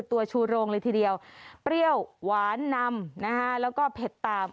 ชูโรงเลยทีเดียวเปรี้ยวหวานนำนะฮะแล้วก็เผ็ดตาม